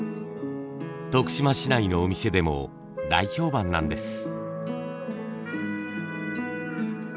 徳島市内のお店でも大評判なんです。